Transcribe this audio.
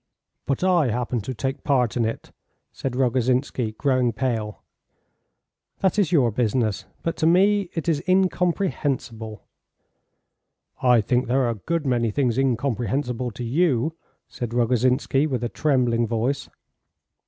"But I happen to take part in it," said Rogozhinsky, growing pale. "That is your business. But to me it is incomprehensible." "I think there are a good many things incomprehensible to you," said Rogozhinsky, with a trembling voice.